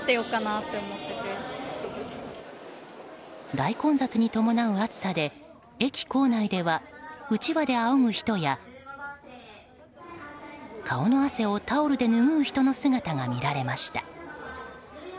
大混雑に伴う暑さで駅構内ではうちわであおぐ人や顔の汗をタオルで拭う人の姿が見られました。